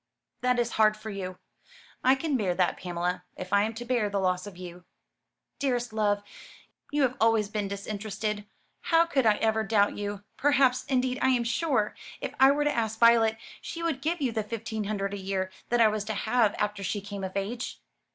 "That is hard for you." "I can bear that, Pamela, if I am to bear the loss of you." "Dearest love, you have always been disinterested. How could I ever doubt you? Perhaps indeed I am sure if I were to ask Violet, she would give you the fifteen hundred a year that I was to have had after she came of age."